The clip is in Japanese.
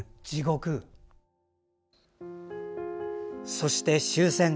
そして終戦。